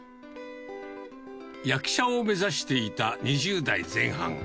役者を目指していた２０代前半。